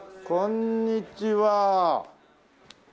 こんにちは！